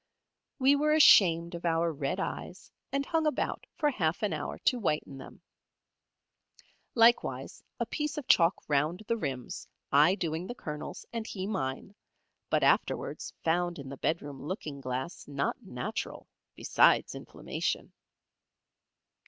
We were ashamed of our red eyes, and hung about for half an hour to whiten them. Likewise a piece of chalk round the rims, I doing the Colonel's, and he mine, but afterwards found in the bedroom looking glass not natural, besides inflammation.